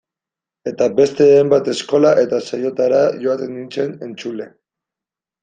Eta beste hainbat eskola eta saiotara joaten nintzen, entzule.